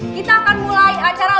kita akan mulai acara